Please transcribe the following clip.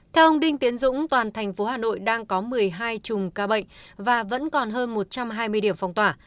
theo ông đinh tiến dũng toàn thành phố hà nội đang có một mươi hai chùm ca bệnh và vẫn còn hơn một trăm hai mươi điểm phong tỏa